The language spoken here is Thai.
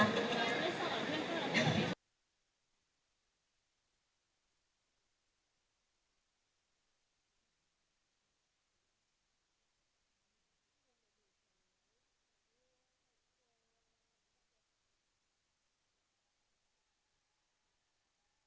ขอบคุณทุกท่านอีกครั้งสิคะ